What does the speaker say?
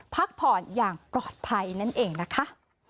พักผ่อนอย่างปลอดภัยนั่นเองนะคะ